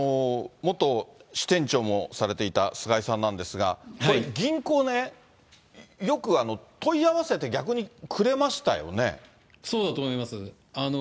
元支店長もされていた菅井さんなんですが、これ銀行ね、よく問い合わせて、そうだと思います。